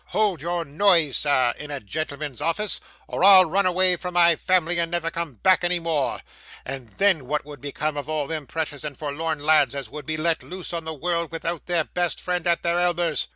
Hold your noise, sir, in a gentleman's office, or I'll run away from my family and never come back any more; and then what would become of all them precious and forlorn lads as would be let loose on the world, without their best friend at their elbers?